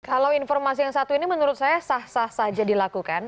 kalau informasi yang satu ini menurut saya sah sah saja dilakukan